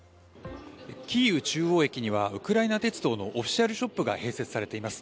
キーウ中央駅にはオフィシャルショップが併設されています。